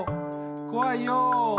こわいよ！